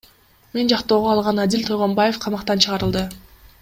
Мен жактоого алган Адил Тойгонбаев камактан чыгарылды.